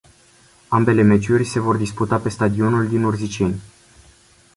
Ambele meciuri se vor disputa pe stadionul din Urziceni.